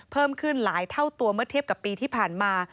เพิ่มขึ้นหลายเท่าตัวเมื่อเทียบกับปีที่ผ่านมา